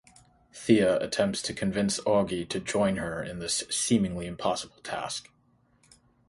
Thea attempts to convince Augie to join her in this seemingly impossible task.